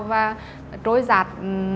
và trôi giặt